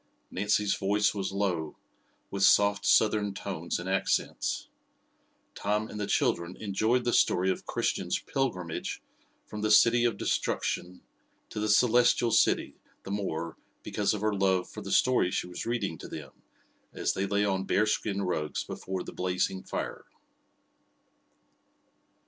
Nancy's voice was low, with soft, southern tones and accents. Tom and the children enjoyed the story of Christian's pilgrimage from the City of Destruction to the Celestial City the more because of her love for the story she was reading to them, as they lay on bearskin rugs before the blazing fire.